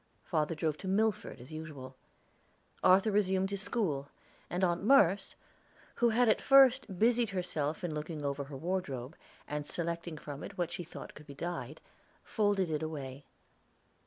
Father drove to Milford as usual; Arthur resumed his school, and Aunt Merce, who had at first busied herself in looking over her wardrobe, and selecting from it what she thought could be dyed, folded it away.